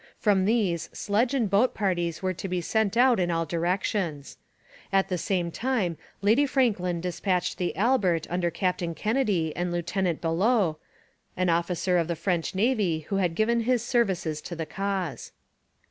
From these sledge and boat parties were to be sent out in all directions. At the same time Lady Franklin dispatched the Albert under Captain Kennedy and Lieutenant Bellot, an officer of the French navy who had given his services to the cause.